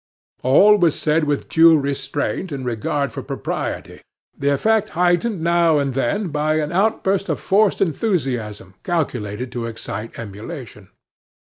All was said with due restraint and regard for propriety, the effect heightened now and then by an outburst of forced enthusiasm calculated to excite emulation.